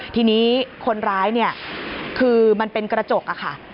ทีนี้คนร้ายคือมันเป็นกระจกค่ะ